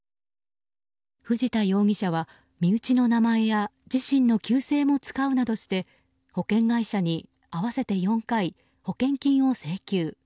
藤田容疑者は、身内の名前や自身の旧姓も使うなどして保険会社に合わせて４回保険金を請求。